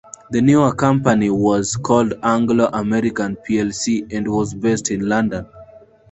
The new company was called Anglo American plc and was based in London.